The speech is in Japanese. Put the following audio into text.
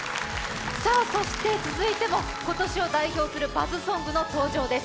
そして続いても今年を代表するバズソングの登場です。